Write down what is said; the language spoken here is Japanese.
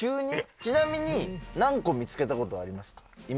ちなみに何個見つけたことありますか？